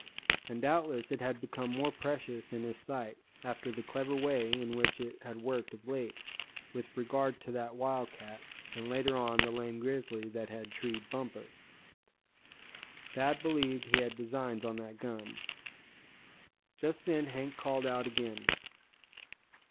And doubtless it had become more precious in his sight, after the clever way in which it had worked of late, with regard to that wildcat; and later on the lame grizzly that had treed Bumpus. Thad believed he had designs on that gun. Just then Hank called out again.